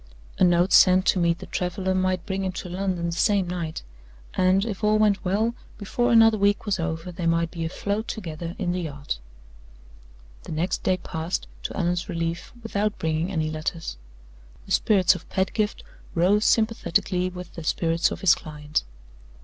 A note sent to meet the traveler might bring him to London the same night; and, if all went well, before another week was over they might be afloat together in the yacht. The next day passed, to Allan's relief, without bringing any letters. The spirits of Pedgift rose sympathetically with the spirits of his client.